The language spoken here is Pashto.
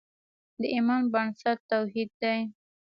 د ایمان بنسټ توحید دی.